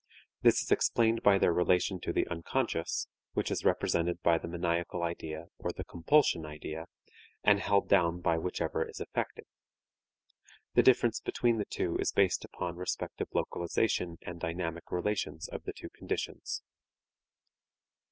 This is explained by their relation to the unconscious, which is represented by the maniacal idea or the compulsion idea, and held down by whichever is effective. The difference between the two is based upon respective localization and dynamic relations of the two conditions.